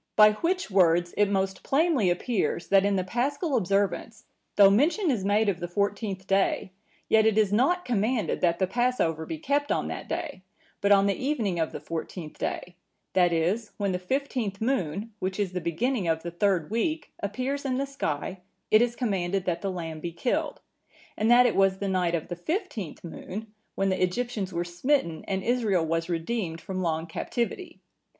By which words it most plainly appears, that in the Paschal observance, though mention is made of the fourteenth day, yet it is not commanded that the Passover be kept on that day; but on the evening of the fourteenth day, that is, when the fifteenth moon, which is the beginning of the third week, appears in the sky, it is commanded that the lamb be killed; and that it was the night of the fifteenth moon, when the Egyptians were smitten and Israel was redeemed from long captivity.